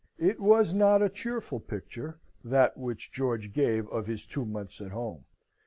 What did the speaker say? It was not a cheerful picture that which George gave of his two months at home.